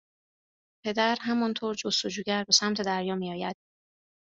پدر همانطور جستجوگر به سمت دریا میآید